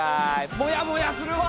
もやもやするわ！